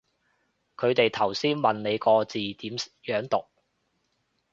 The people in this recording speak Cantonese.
佢哋頭先問你個字點樣讀